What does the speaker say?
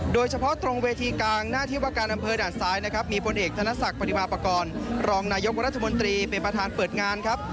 โดยเฉพาะตรงเวทีกลางหน้าที่ว่าการอำเภอด่านซ้ายนะครับมีพลเอกธนศักดิ์ปฏิมาปากรรองนายกรัฐมนตรีเป็นประธานเปิดงานครับ